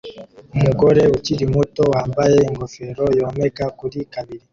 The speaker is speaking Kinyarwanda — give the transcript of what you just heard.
Umugore ukiri muto wambaye ingofero yomeka kuri kabili